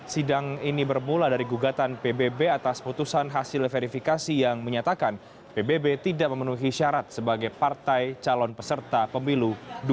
sidang ini bermula dari gugatan pbb atas putusan hasil verifikasi yang menyatakan pbb tidak memenuhi syarat sebagai partai calon peserta pemilu dua ribu sembilan belas